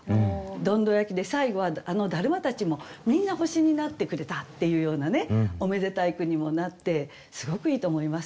どんど焼きで最後はあの達磨たちもみんな星になってくれたっていうようなねおめでたい句にもなってすごくいいと思います。